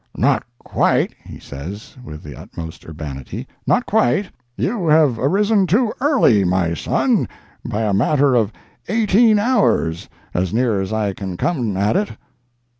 "Not quite," he says, with the utmost urbanity, "not quite; you have arisen too early, my son, by a matter of eighteen hours as near as I can come at it."